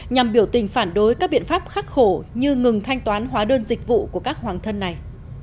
nhằm biểu tình phản đối các biện pháp khắc khổ như ngừng thanh toán hóa đơn dịch vụ của các hoàng thân này